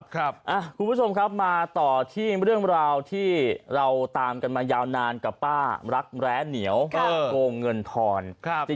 คุณผู้ชมครับมาต่อที่เรื่องราวที่เราตามกันมายาวนานกับป้ารักแร้เหนียวโกงเงินทอน